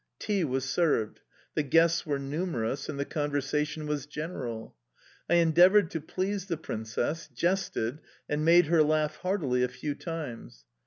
Tea was served. The guests were numerous, and the conversation was general. I endeavoured to please the Princess, jested, and made her laugh heartily a few times.